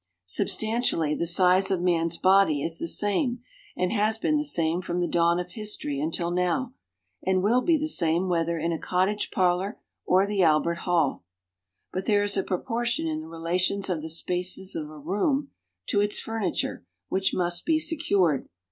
Substantially, the size of man's body is the same and has been the same from the dawn of history until now, and will be the same whether in a cottage parlour or the Albert Hall. But there is a proportion in the relations of the spaces of a room to its furniture which must be secured.